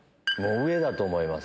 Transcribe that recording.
上だと思います